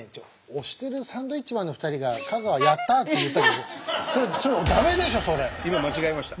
押してるサンドウィッチマンの２人が香川「やった！」って言ったけど今間違えました。